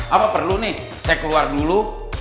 apa perlu nih saya keluar dulu